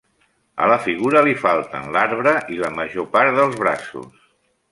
A la figura li falten l'arbre i la major part dels braços.